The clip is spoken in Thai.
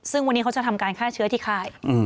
ซึ่งวันนี้เขาจะทำการฆ่าเชื้อที่ค่าย